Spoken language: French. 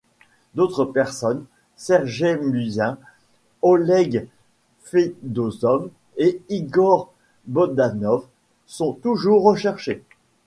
D'autres personnes, Sergey Musin, Oleg Fedossov et Igor Bogdanov, sont toujours recherchés.